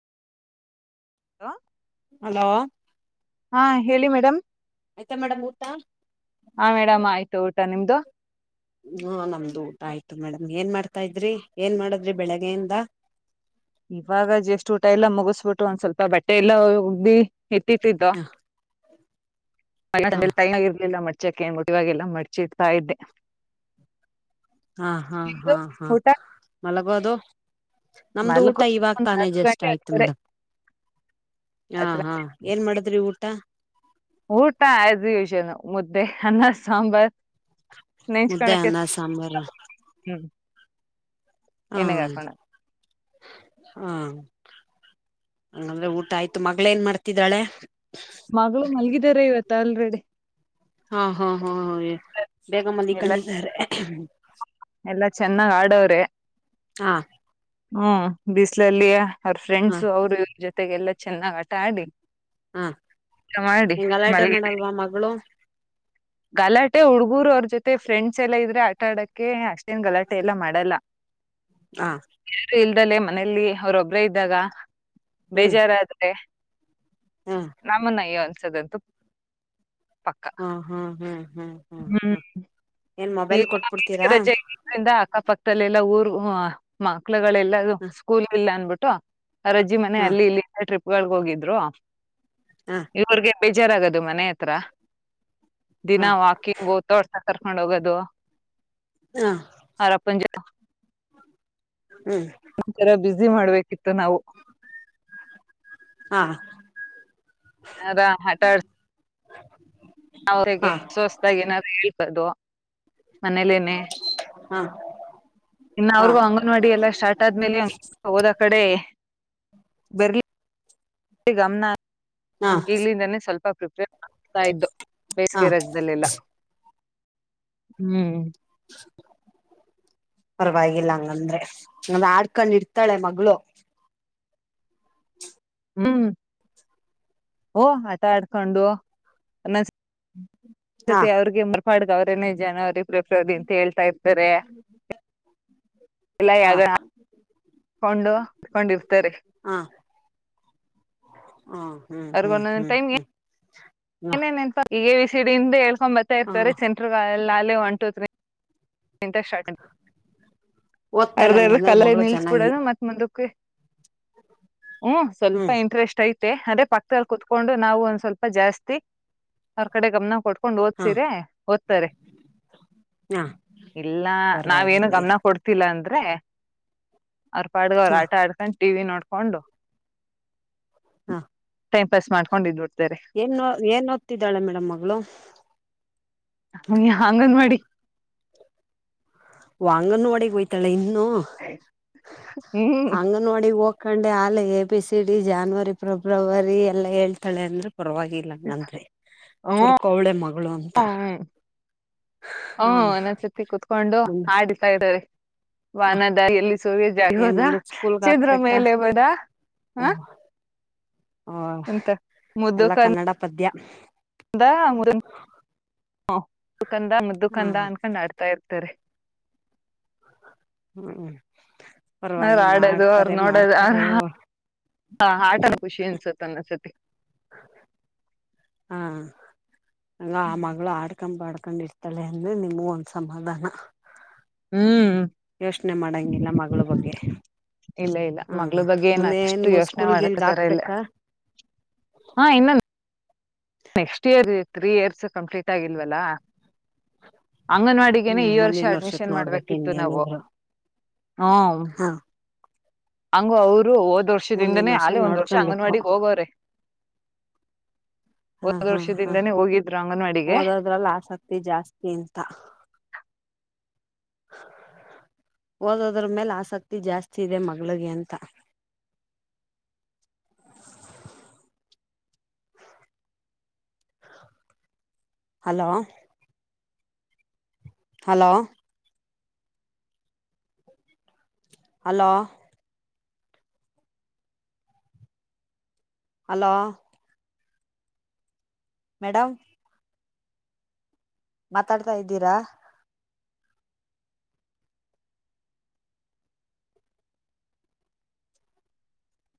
Hello hello ಹಾ ಹೇಳಿ madam. ಆಯ್ತಾ ಮೇಡಮ್ ಊಟ? ಹಾ ಮೇಡಮ್ ಆಯ್ತು ಊಟ ನಿಮ್ದು. ಹ್ಮ ನಮ್ದು ಊಟ ಆಯ್ತು ಮೇಡಮ್. ಏನ್ ಮಾಡ್ತಾ ಇದ್ರಿ, ಏನ್ ಮಾಡುದ್ರಿ ಬೆಳಗೆ ಇಂದ. ಇವಾಗ ಜಷ್ಟ್ ಊಟ ಎಲ್ಲ ಮುಗಿಸ್ಬಿಟ್ಟು ಒಂದ್ ಸ್ವಲ್ಪ ಬಟ್ಟೆ ಎಲ್ಲ ವೊ ಹೊಗ್ದಿ. ಹಿಪ್ಪಿತಿದ್ದ. ಹ ಹ ತೈಗರ್ಲಿಲ್ಲ ಮರ್ಚಕ ಏ ಮುಟ್ಟಿವಾಗೆಲ್ಲ ಮಡ್ಚಿ ಇಡ್ತಾ ಇದ್ದೆ. ಹಾ ಹಾ ನಿಮ್ದು ಹಾ ಹಾ ಊಟ ಮಲಗೋದು. ನಮ್ದು ಊಟ ಮಲ್ಗೋ ಇವಾಗ್ ಒಂದ್ ತಾನೇ ಹತ್ತು ಜಸ್ಟ್ ಗಂಟೆ ಆಯ್ತು ಹತ್ತುವರೆ ಮೇಡಮ್. ಹಾ ಹತ್ತು ಹಾ ಏನ್ ಮಾಡದ್ರಿ ಊಟ. ಊಟಾ ಹ್ಯಾಸ್ ಉಷನ್ನು ಮುದ್ದೆ ಅನ್ನ ಸಾಂಬರ್. ಮುದ್ದೆ ನೆಂಚ್ಕಣಕ್ಕೆ ಅನ್ನ ಸಂ ಸಾಂಬಾರು [unintelligible] ಹ್ಮ್. ಏನೆಗಕೋಣ. ಹ್ಮ ಹಂಗಂದ್ರೆ ಊಟ ಆಯ್ತು ಮಗ್ಳ್ ಏನ್ ಮಾಡ್ತಿದ್ದಾಳೆ. ಮಗಳು ಮಲ್ಗಿದಾರೆ ಇವತ್ ಆಲ್ರೆಡಿ. ಹಾ ಹಾ ಹಾ ಹ ಬೇಗ ಎಲ್ಲ ಮಲಿಕಂಡಿದ್ದಾರೆ. ಎಲ್ಲಾ ಚೆನ್ನಾಗ್ ಆಡವ್ರೆ. ಹಾ. ಹ್ಮ ಬಿಸಲಲ್ಲಿಯ ಅವ್ರ ಹಾ ಫ್ರೆಂಡ್ಸು ಅವರು ಇವ್ರ ಜೊತೆಗೆ ಎಲ್ಲಾ ಚೆನ್ನಾಗ್ ಆಟ ಆಡಿ. ಹಾ ಊಟ ಮಾಡಿ ನಿಂಗ್ ಗಲಾಟೆ ಮಲಗಿ ಬಿಡಿ. ಮಾಡಲ್ವಾ ಮಗಳು ಗಲಾಟೆ ಹುಡ್ಗೂರು ಅವ್ರ ಜೊತೆ ಫ್ರೆಂಡ್ಸ್ ಎಲ್ಲ ಇದ್ರೆ ಆಟ ಆಡಕ್ಕೆೆ ಅಷ್ಟೇನ್ ಗಲಾಟೆ ಎಲ್ಲಾ ಮಾಡಲ್ಲ. ಹಾ. ಇಲ್ದಲ್ಲೇ ಮನೇಲಿ ಅವ್ರೊಬ್ರ ಇದ್ದಾಗ ಹ್ಮ್ ಬೇಜಾರಾದ್ರೆ. ನಮ್ಮನ್ನಯ್ಯೋ ಅನ್ಸೋದಂತೂ ಪಕ್ಕ. ಹ್ಮ್ ಹ್ಮ್ ಹ್ಮ್ ಹ್ಮ್ ಹ್ಮ್ ಹ್ಮ್. ಏನ್ ಈ ಮೊಬೈಲ್ ಬೇಸಿಗೆ ಕೊಟ್ಬಿಡ್ತೀರಾ ರಜೆ ಇದ್ದಿದ್ರಿಂದ ಅಕ್ಕಪಕ್ಕ. ಮತ್ತಲ್ಲೆಲ್ಲಾ ಊರ್ ಮಕ್ಳುಗಳೆಲ್ಲ ಹಾ ಸ್ಕೂಲ್ ಇಲ್ಲ ಅನ್ಬಿಟ್ಟು. ಅವ್ರಜ್ಜಿ ಮನೆ ಅಲ್ಲಿ ಇಲ್ಲಿಂದ ಟ್ರಿಪ್ಗಳಗೆ ಹೋಗಿದ್ರು ಹಾ ಇವರ್ಗೆ. ಬೇಜಾರಾಗದು ಮನೆ ಹತ್ರ ದಿನ ಹಾ ವಾಕಿಂಗ್ ಹೋಗ್ತಾ ಅವ್ರನ ಕರ್ಕೊಂಡ್ ಹೋಗೋದು. [inaudible] ಹಾ ಅವ್ರ ಅಪ್ಪನ ಜೋತೆ. ಹ್ಮ್ ಒಥರ ಬ್ಯುಸಿ ಮಾಡ್ಬೇಕಿತ್ತು ನಾವು. [inaudible] ಹಾ ಅದಾ ಹಠ. ಹಾ ಅವರಿಗೆ ಹೊಸತಾಗಿ ಏನಾದ್ರೂ ಹೇಳೋದು. ಹಾ. ಇನ್ನು ಹಾ ಅವ್ರಿಗೂ ಅಂಗನವಾಡಿ ಎಲ್ಲಾ ಸ್ಟಾರ್ಟ್ ಆದ್ಮೇಲೆ ಹೋದ ಕಡೆ. ಬೆರ್ಲಿ. ಗಮನ ಹಾ ಈಗ್ಲಿಂದಾನೇ ಸ್ವಲ್ಪ ಪ್ರಿಪೇರ್. ಆಗ್ತಾ ಇದ್ದು ಹಾ ಬೇಸಿಗೆ ರಾಜ್ದಳೆಲ್ಲ ಹ್ಮ್. [inaudible] ಪರವಾಗಿಲ್ಲ ಹಂಗಂದ್ರೆ ಅಂದ ಆಡ್ಕೊಂಡ್ ಇಡ್ತಾಳೆ ಮಗಳು. ಹ್ಮ್ ಓ ಆಟ ಆಡ್ಕೊಂಡು. ಹಾ ಸತ್ತೆ ಅವ್ರಿಗೆ ಮರ್ಪಾಡಗ ಅವ್ರೇನೇ ಜನವರಿ ಫೆಬ್ರವರಿ ಅಂತ ಹೇಳ್ತಾ ಇರ್ತಾರೆ. ಹಾ ಎಲ್ಲಗ. [inaudible] ಕೊಂಡುಕೊಂಡಿರ್ತಾರೆ. ಹಾ ಹಾ ಹ್ಮ್ ಹ್ಮ್ ಹ್ಮ್ ಹ್ಮ್. ಹ್ಮ್ ಏನೇನ್ನ್ಪ ಈ ಎ ವಿ ಸಿಡಿ ಇಂದ ಹೇಳ್ಕೊಂಡ್ ಬರ್ತಾ ಹಾ ಇರ್ತವೆ ಸೆಂಟ್ರಲ್ ಅಲ್ಲಿ ಒನ್ ಟು ತ್ರೀ. ಎಂತ ಶರ್ಟ್ ಓದ್ತಾಳೆ ಹಂಗಂದ್ರೆ ಅರ್ಧಕ್ಕಲ್ಲೆ ಮಗಳು ನಿಲ್ಸ್ ಚೆನ್ನಾಗಿ ಬಿಡೋದು ಮತ್ ಮುಂದಕ್ಕೆ. ಹ್ಮ್ ಸ್ವಲ್ಪ ಇಂಟ್ರೆಸ್ಟ್ ಐತೆ ಅದೇ ಪಕ್ಕದಲ್ಲಿ ಕುತ್ಕೊಂಡು ನಾವು ಒಂದ್ ಸ್ವಲ್ಪ ಜಾಸ್ತಿ. ಅವ್ರ ಕಡೆ ಗಮನ ಕೊಟ್ಕೊಂಡು ಹಾ ಓದೀಸಿದ್ರೆ ಓದ್ತಾರೆ. ಹಾ ಇಲ್ಲ ನಾವೇನು ಪರವಾಗಿಲ್ಲ ಗಮನ ಕೊಡ್ತಿಲ್ಲ ಅಂದ್ರೆ. ಅವ್ರಪಾಡಿಗ್ ಅವರು ಹಾ ಆಟ ಆಡ್ಕೊಂಡ್ ಟಿ ವಿ ನೋಡ್ಕೊಂಡು. ಹಾ. ಪ್ರೆಸ್ ಮಾಡ್ಕೊಂಡಿಡಬಿಡೋ. ಏನ ಏನ್ ಓದ್ತಿದ್ದಾಳೆ ಮೇಡಮ್ ಮಗಳು. ಅಂಗನವಾಡಿ ವ ಅಂಗನವಾಡಿಗ ಹೋಯ್ತಾಳ ಇನ್ನು ಹ್ಮ್ ಅಂಗನವಾಡಿಗೆ ಹೋಗ. ಕಂಡೆ ಆಲ A- B- C- D- January February ಎಲ್ಲಾ ಹೇಳ್ತಾಳೆ ಅಂದ್ರು. ಪರವಾಗಿಲ್ಲಂಗಂದ್ರೆ ಹ್ಮ್ ಚುರುಕವಳೆ ಮಗಳು ಅಂತ. ಹ ಹ್ಮ ಒಂದ ಒಂದಸತಿ ಕುತ್ಕೊಂಡು ಮುಂದೆ ಆಡತಾ ಇದಾರೆ. ಹ ವಾನದ ಎಲ್ಲಿ ಸೂರ್ಯ ಜಾರಿ ಏನ್ ಹೋದ ಚಂದ್ರ ಮೇಲೆ ಬದ. ಹಓ. ಹ ಓ ಅಂತ ಎಲ್ಲ ಕನ್ನಡ ಪದ್ಯ. [inaudible] ಹ ಮುದ್ದು ಕಂದ ಮುದ್ದು ಹಾ ಕಂದ ಅನ್ಕೊಂಡ್ ಆಡ್ತಾ ಇರ್ತಾರೆ. ಹ್ಮ್ ಅವ್ರ್ ಪರ್ವಾಗಿಲ್ಲ ಆಡ್ತಾರೆ ಮಾಡ್ತಾರೆ. ಹಾ ಆಟಲ್ಲ ಖುಷಿ ಅನ್ಸುತ್ತ ಅನ್ನಸತಿ. ಹಾ- ಹಂಗ -ಆ -ಮಗಳು ಆಡ್ಕಂಬಾಡ್ತ. ಕಂಡಿರ್ತಾಳೆ ಅಂದ್ರೆ ನಿಮಗು ಒಂದ್ ಸಮಾಧಾನ. ಹ್ಮ್ ಯೋಚನೆ ಮಾಡಂಗಿಲ್ಲ ಮಗಳ ಬಗ್ಗೆ. ಇಲ್ಲ ಇಲ್ಲ ಹ ಮಗ್ಗಳ ಬಗ್ಗೆ ಏನ ಮುಂದೇನ್ ಅಷ್ಟು ಯೋಚನೆ ಸ್ಕೂಲ್ಗಿಲ್ಗ ಮಾಡತರ ಇಲ್ಲ. ಹಾಕ್ಬೇಕಾ ಹಾ- ಇನ್ನ next year -three -years complete ಆಗಿಲ್ವಲ್ಲಾ. ಅಂಗನವಾಡಿಗೆನೆ ಹ್ಮ್ ಈ ವರ್ಷ ಮುಂದಿನ ವರ್ಷಕ್ ಅಡ್ಮಿಷನ್ ನೋಡ್ಬೇಕ ಮಾಡ್ಬೇಕಿತ್ತು ನಾವು. ಇನ್ನೇನಿದ್ರು ಹ್ಮ್ಂ ಹಾ ಹಂಗು ಅವರು ಹೋದ್ ಮುಂದಿನ ವರ್ಷದಿಂದನೇ ಹಾಲೆ ಒಂದ್ ವರ್ಷ ನೋಡ್ಕೊಬೇಕು ಅಂಗನವಾಡಿಗೆ ಹೋಗವ್ರೆ. ಹಾ -ಹಾ- ಹಾ ವರ್ಷದಿಂದನೇ ಹೋಗಿದ್ರು ಅಂಗನವಾಡಿಗೆ -ಓದೋದ್ರಲ್ಲ ಆಸಕ್ತಿ ಜಾಸ್ತಿ ಅಂತ. ಹ ಓದೋದ್ರ ಮೇಲೆ ಆಸಕ್ತಿ ಜಾಸ್ತಿ ಇದೆ ಮಗಳಿಗೆ ಅಂತ. ಹೂ hello hello hello hello madam ಮಾತಾಡ್ತಾ ಇದ್ದೀರಾ.